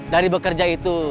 dari bekerja itu